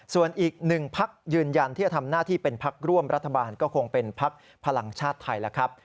ส่วนอีกหนึ่งพักยืนยันที่จะทำหน้าที่เป็นพักร่วมรัฐบาลก็คงเป็นพักพลังชาติไทยแล้วครับ